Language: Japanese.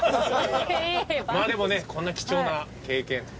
まあでもねこんな貴重な経験。